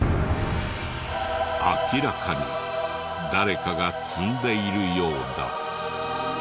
明らかに誰かが積んでいるようだ。